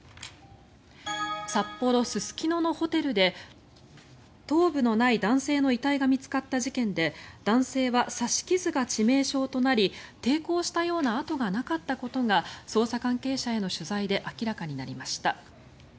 札幌・すすきののホテルで頭部のない男性の遺体が見つかった事件で男性は刺し傷が致命傷となり抵抗したような痕がなかったことが捜査関係者への取材で明らかになりました。